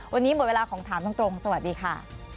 วันนี้หมดเวลาของถามตรงสวัสดีค่ะ